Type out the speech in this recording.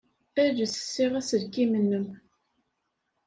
Ales ssiɣ aselkim-nnem.